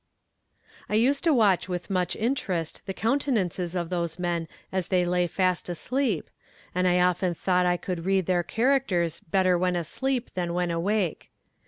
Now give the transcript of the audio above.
I used to watch with much interest the countenances of those men as they lay fast asleep, and I often thought that I could read their characters better when asleep than when awake.